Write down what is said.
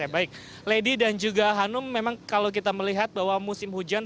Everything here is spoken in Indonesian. baik lady dan juga hanum memang kalau kita melihat bahwa musim hujan